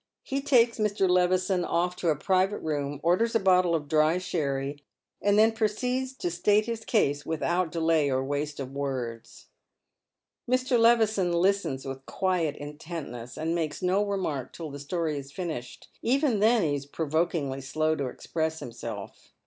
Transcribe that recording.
He takes Mr. Levison off to a private room, orders a bottle of dry sheiTy, and then proceeds to state his case without delay or waste of words. Mr. Levison listens with quiet intentness, and makes no remark till the story is finished. Even then he is provokingly slowto ex press himself.